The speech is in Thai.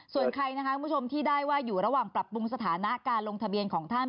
ส่วนใครนะคะคุณผู้ชมที่ได้ว่าอยู่ระหว่างปรับปรุงสถานะการลงทะเบียนของท่าน